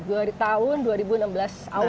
dari tahun dua ribu enam belas awal